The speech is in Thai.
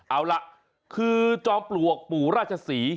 เอาล่ะคือจอมปลวกปู่ราชศรี